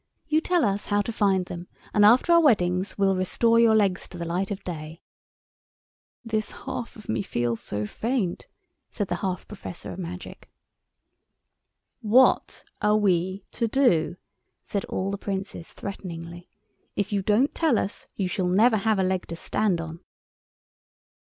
You tell us how to find them, and after our weddings we'll restore your legs to the light of day." "This half of me feels so faint," said the half Professor of Magic. "What are we to do?" said all the Princes, threateningly; "if you don't tell us, you shall never have a leg to stand on."